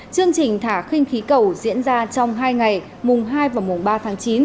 chương trình thả khinh khí cầu diễn ra trong hai ngày mùng hai và mùng ba tháng chín